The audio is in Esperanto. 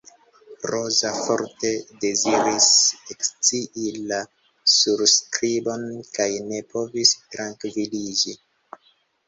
Roza forte deziris ekscii la surskribon kaj ne povis trankviliĝi.